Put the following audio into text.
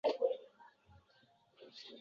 Buyuk zot.